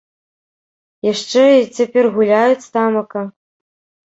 Яшчэ й цяпер гуляюць тамака.